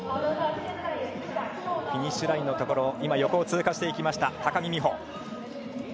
フィニッシュラインのところを横を通過していきました高木美帆。